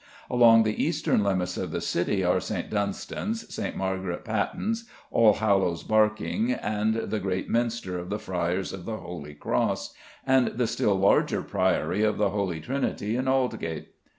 Along the eastern limits of the City are St. Dunstan's, St. Margaret Pattens, All Hallows Barking, the great Minster of the Friars of the Holy Cross, and the still larger Priory of the Holy Trinity in Aldgate.